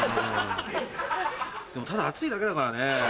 でもただ熱いだけだからね。